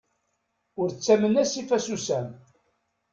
Ur ttamen asif asusam.